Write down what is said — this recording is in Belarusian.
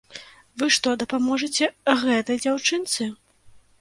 Вы што, дапаможаце гэтай дзяўчынцы?